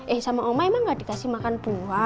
eh sama omah emang gak dikasih makan dua